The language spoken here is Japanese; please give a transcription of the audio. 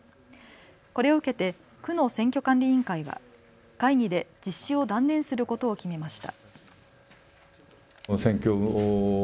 これを受けて区の選挙管理委員会は会議で実施を断念することを決めました。